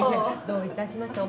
どういたしまして。